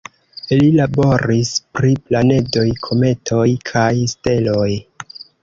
Li laboris pri planedoj, kometoj kaj steloj.